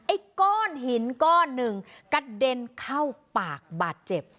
ไอ้ก้อนหินก้อนหนึ่งกระเด็นเข้าปากบาดเจ็บ